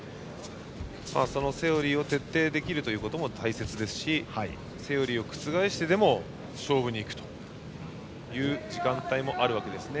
そのセオリーを徹底できるということも大切ですしセオリーを覆してでも勝負に行くという時間帯もあるわけですね。